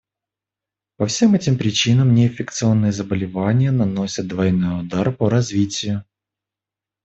По всем этим причинам неинфекционные заболевания наносят двойной удар по развитию.